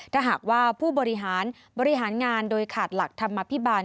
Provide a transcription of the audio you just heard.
ถ้าหากว่าผู้บริหารบริหารงานโดยขาดหลักธรรมภิบาล